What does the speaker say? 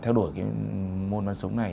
theo đuổi cái môn bắn súng này